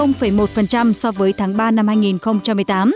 giảm một so với tháng ba năm hai nghìn một mươi tám